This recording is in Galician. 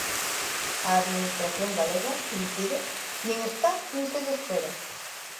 A Administración galega, incide, "nin está, nin se lle espera".